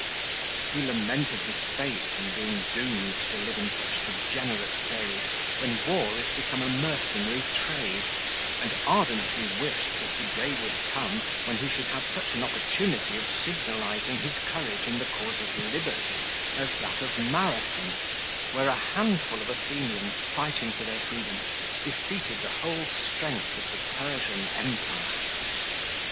He lamented his fate, in being doomed to live in such degenerate days, when war is become a mercenary trade; and ardently wished, that the day would come, when he should have such an opportunity of signalizing his courage in the cause of liberty, as that of Marathon, where a handful of Athenians, fighting for their freedom, defeated the whole strength of the Persian empire.